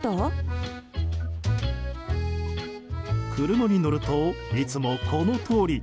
車に乗るといつもこのとおり。